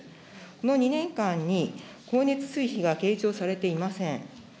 この２年間に、光熱水費が計上されていません。